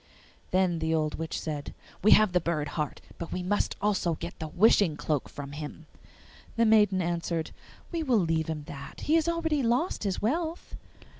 Then the old witch said, 'We have the bird heart, but we must also get the wishing cloak from him.' The maiden answered, 'We will leave him that; he has already lost his wealth!